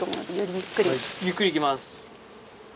ゆっくり行きます。